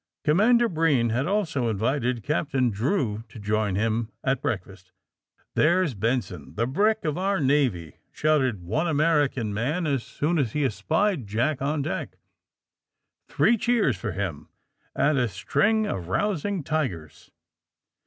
Commander Breen had also invited Captain Drew to join him at breakfast. *^ There's Benson, the brick of our Navy!'' shouted one American man, as soon as he espied Jack on deck. '^ Three cheers for him, and a string of rousing tigers